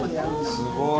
すごい。